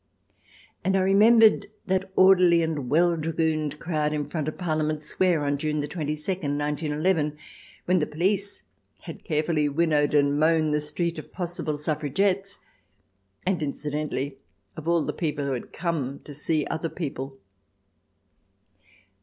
And I re membered that orderly and well dragooned crowd in front of Parliament Square on June 22, 191 1, when the police had carefully winnowed and mown the street of possible suffragettes, and incidentally of all the people who had come to see other people.